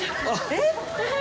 えっ！？